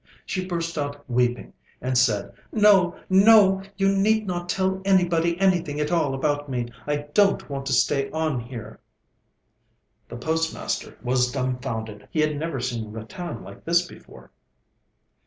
She burst out weeping, and said: 'No, no, you need not tell anybody anything at all about me; I don't want to stay on here.' The postmaster was dumbfounded. He had never seen Ratan like this before.